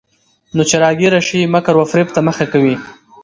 نو چې راګېره شي، مکر وفرېب ته مخه کوي.